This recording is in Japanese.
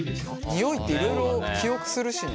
匂いっていろいろ記憶するしね。